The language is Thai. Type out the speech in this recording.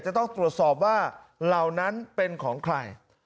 จะต้องตรวจสอบว่าเหล่านั้นเป็นของใคร